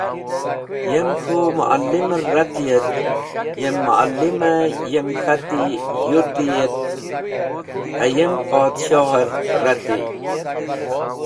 Yem k̃hũ Ma’limer reti et yem Ma’lim yem khati yuti et hayem Podshoh’r retey.